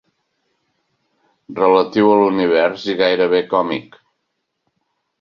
Relatiu a l'univers i gairebé còmic.